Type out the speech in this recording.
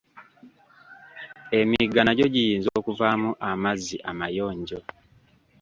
Emigga nagyo giyinza okuvaamu amazzi amayonjo.